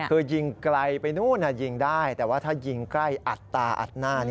คือยิงไกลไปนู่นยิงได้แต่ว่าถ้ายิงใกล้อัดตาอัดหน้า